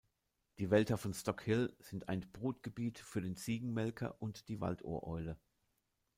Die Wälder von Stock Hill sind ein Brutgebiet für den Ziegenmelker und die Waldohreule.